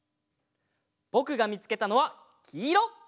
ぼくがみつけたのはきいろ！